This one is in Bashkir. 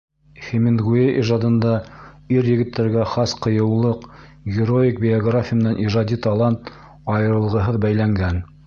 Хемингуэй ижадында ир-егеттәргә хас ҡыйыулыҡ, героик биография менән ижади талант айырылғыһыҙ бәйләнгән.